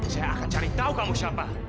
saya akan cari tahu kamu siapa